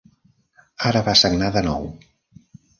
Ara va sagnar de nou.